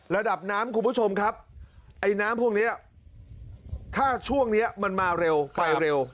ระดับน้ำคุณผู้ชมครับไอ้น้ำพวกนี้ถ้าช่วงนี้มันมาเร็วไปเร็ว